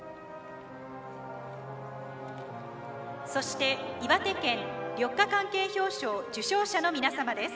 そして岩手県緑化関係表彰受賞者の皆様です。